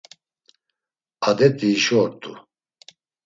Adet̆i hişo ort̆u.